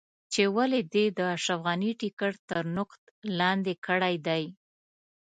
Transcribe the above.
چې ولې دې د اشرف غني ټکټ تر نقد لاندې کړی دی.